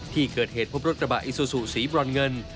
ที่เกิดเหตุพบรถกระบะอิซูซูสีบรอนเงิน